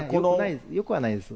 よくはないです。